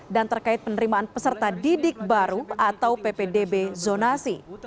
terkait penerimaan peserta didik baru atau ppdb zonasi